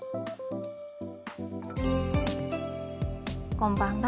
こんばんは。